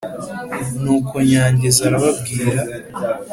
Nuko Nyangezi arababwira,